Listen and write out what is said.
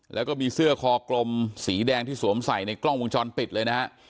แล้วก็มีเสื้อคอกลมสีแดงที่สวมใส่ในกล้องวงจรปิดเลยนะฮะ